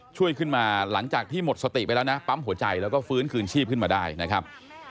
ช่วยขึ้นมาหลังจากที่หมดสติไปแล้วนะปั๊มหัวใจแล้วก็ฟื้นคืนชีพขึ้นมาได้นะครับ